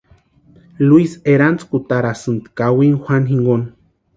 Luisï erantskutarasti kawini Juanu jinkoni.